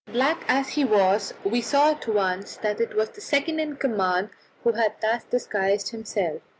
Black as he was, we saw at once that it was the second in command who had thus disguised himself.